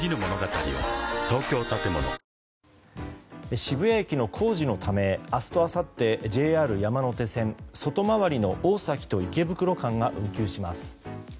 渋谷駅の工事のため明日とあさってＪＲ山手線外回りの大崎と池袋間が運休します。